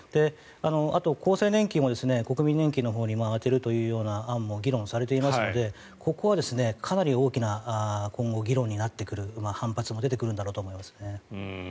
あと、厚生年金も国民年金のほうに充てるという案も議論されていますのでここはかなり大きな今後、議論になってくる反発も出てくるんだろうと思いますね。